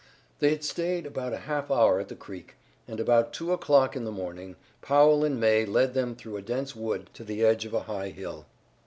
They had stayed about a half hour at the creek, and about two o'clock in the morning Powell and May led them through a dense wood to the edge of a high hill.